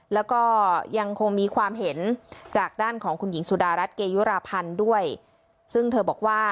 แล้วก็ยังคงมีความเห็นจากด้านของคุณหญิงสุดารัฐเกยุราพันธ์ด้วยซึ่งเธอบอกว่า